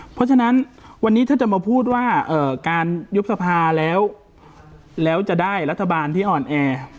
เพราะฉะนั้นวันนี้ถ้าจะมาพูดว่าการยุบสภาแล้วแล้วจะได้รัฐบาลที่อ่อนแอ